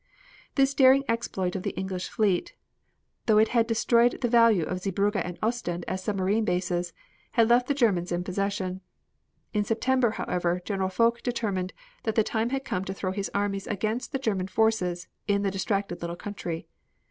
This daring exploit of the English fleet, though it had destroyed the value of Zeebrugge and Ostend as submarine bases, had left the Germans in possession. In September, however, General Foch determined that the time had come to throw his armies against the German forces in the distracted little country.